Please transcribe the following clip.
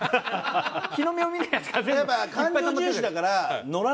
日の目を見ないやつが。